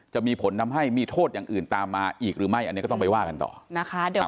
จะมีผลทำให้มีโทษอย่างอื่นตามมาอีกหรือไม่อันนี้ก็ต้องไปว่ากันต่อนะคะ